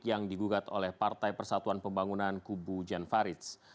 yang digugat oleh partai persatuan pembangunan kubu janvarits